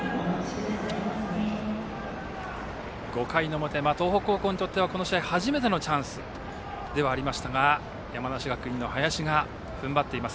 ５回の表東北高校にとってはこの試合、初めてのチャンスではありましたが山梨学院の林が踏ん張っています。